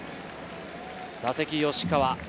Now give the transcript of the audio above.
打席・吉川。